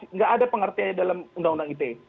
nggak ada pengertiannya dalam undang undang ite